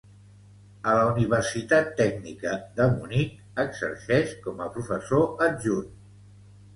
A la Universitat Tècnica de Munic exerceix com a professor adjunt.